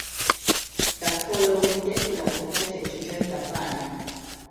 The following day he was invited to join the band.